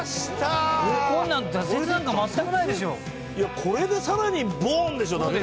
いやこれで更にボーンでしょだって。